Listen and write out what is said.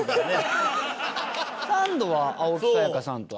サンドは青木さやかさんとは。